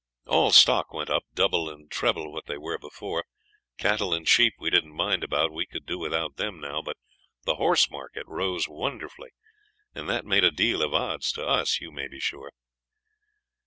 All stock went up double and treble what they were before. Cattle and sheep we didn't mind about. We could do without them now. But the horse market rose wonderfully, and that made a deal of odds to us, you may be sure.